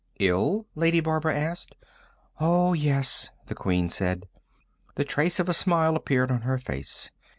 "Ill?" Lady Barbara asked. "Oh, yes," the Queen said. The trace of a smile appeared on her face.